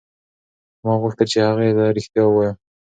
ما غوښتل چې هغې ته رښتیا ووایم.